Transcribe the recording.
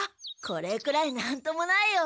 これくらいなんともないよ。